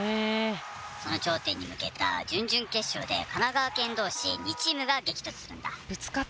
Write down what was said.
その頂点に向けた準々決勝で神奈川県どうし２チームが激突するんだ。